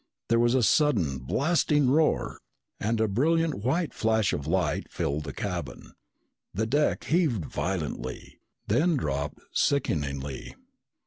There was a sudden, blasting roar and a brilliant white flash of light filled the cabin. The deck heaved violently, then dropped sickeningly.